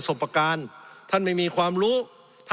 สงบจนจะตายหมดแล้วครับ